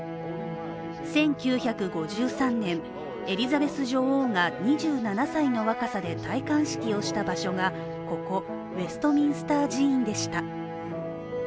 １９５３年、エリザベス女王が２７歳の若さで戴冠式をした場所がここ、ウェストミンスター寺院でした。